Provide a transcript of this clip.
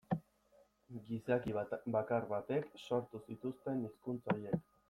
Gizaki bakar batek sortu zituzten hizkuntza horiek.